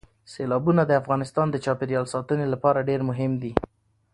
سیلابونه د افغانستان د چاپیریال ساتنې لپاره ډېر مهم دي.